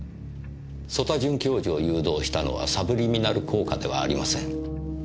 曽田准教授を誘導したのはサブリミナル効果ではありません。